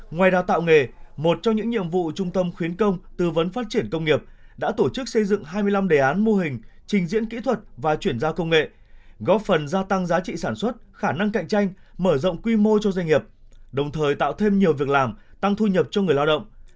ngoài đào tạo nghề một trong những nhiệm vụ trung tâm khuyến công tư vấn phát triển công nghiệp đã tổ chức xây dựng hai mươi năm đề án mô hình trình diễn kỹ thuật và chuyển giao công nghệ góp phần gia tăng giá trị sản xuất khả năng cạnh tranh mở rộng quy mô cho doanh nghiệp đồng thời tạo thêm nhiều việc làm tăng thu nhập cho người lao động